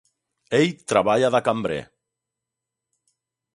Ell treballa de cambrer.